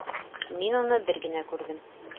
Мин уны бер генә күрҙем